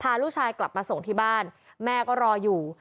พาลูกชายกลับมาส่งที่บ้านแม่ก็รออยู่